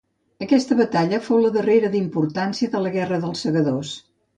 Aquesta batalla fou la darrera d'importància de la Guerra dels Segadors.